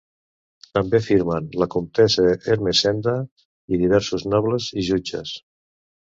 També firmen la comtessa Ermessenda i diversos nobles i jutges.